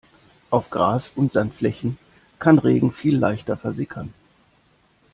Auf Gras- und Sandflächen kann Regen viel leichter versickern.